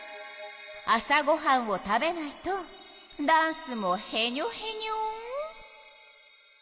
朝ごはんを食べないとダンスもヘニョヘニョ。